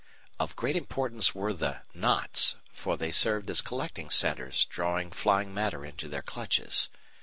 Of great importance were the "knots," for they served as collecting centres drawing flying matter into their clutches.